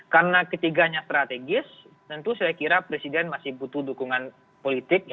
karena ketiganya strategis tentu saya kira presiden masih butuh dukungan politik